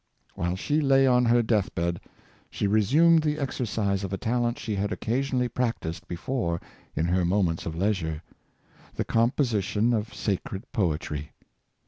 While she lay on her death bed, she resumed the exercise of a talent she had occasionally practiced before in her moments of leisure — the composition of sacred poetry.